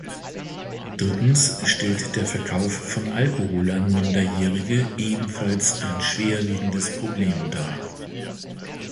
Drittens stellt der Verkauf von Alkohol an Minderjährige ebenfalls ein schwer wiegendes Problem dar.